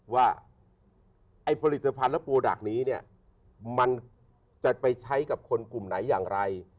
ว่าไอ้ผลิตภัณฑ์และโปรดักต์นี้เนี่ยมันจะไปใช้กับคนกลุ่มไหนอย่างไร